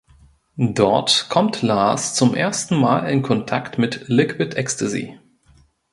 Dort kommt Lars zum ersten Mal in Kontakt mit Liquid Ecstasy.